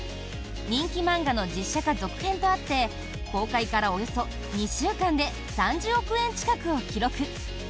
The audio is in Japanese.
人気漫画の実写化続編とあって公開からおよそ２週間で３０億円近くを記録。